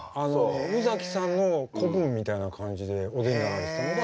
宇崎さんの子分みたいな感じでお出になられてたのが。